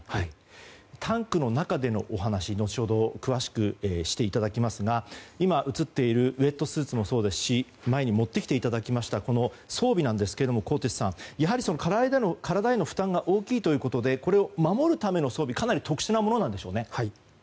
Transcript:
タンクの中でのお話後ほど詳しくしていただきますが今、映っているウェットスーツもそうですし前に持っていただきましたこちらの装備ですが纐纈さん、体への負担が大きいということでこれを守るための装備、かなり特殊なものなんでしょうね。